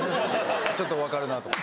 ちょっと分かるなと思って。